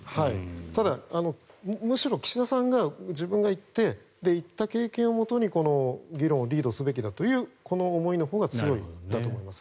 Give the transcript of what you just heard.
ただ、むしろ岸田さんが自分が行って行った経験をもとに議論をリードすべきだというこの思いのほうが強いんだと思います。